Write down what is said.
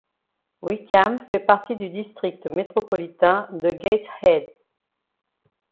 Whickham fait partie du district métropolitain de Gateshead.